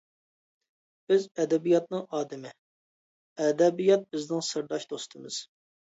بىز ئەدەبىياتنىڭ ئادىمى، ئەدەبىيات بىزنىڭ سىرداش دوستىمىز.